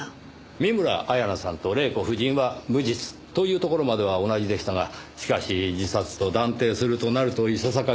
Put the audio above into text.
見村彩那さんと玲子夫人は無実というところまでは同じでしたがしかし自殺と断定するとなるといささか疑問が残ってしまいます。